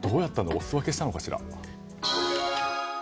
お裾分けしたのかしら。